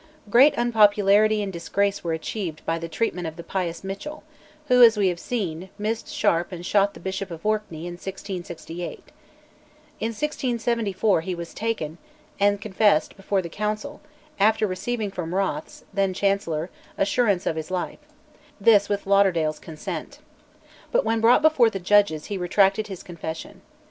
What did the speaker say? Great unpopularity and disgrace were achieved by the treatment of the pious Mitchell, who, we have seen, missed Sharp and shot the Bishop of Orkney in 1668. In 1674 he was taken, and confessed before the Council, after receiving from Rothes, then Chancellor, assurance of his life: this with Lauderdale's consent. But when brought before the judges, he retracted his confession.